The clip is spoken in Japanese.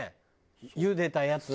ゆでたやつも。